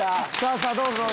さぁどうぞ。